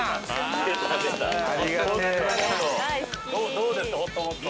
◆どうですか、ほっともっと。